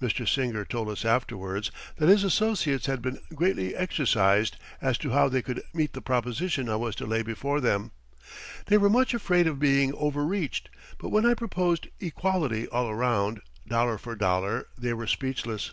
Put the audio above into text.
Mr. Singer told us afterwards that his associates had been greatly exercised as to how they could meet the proposition I was to lay before them. They were much afraid of being overreached but when I proposed equality all around, dollar for dollar, they were speechless.